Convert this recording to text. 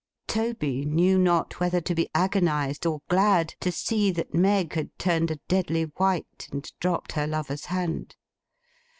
Toby knew not whether to be agonised or glad, to see that Meg had turned a deadly white, and dropped her lover's hand.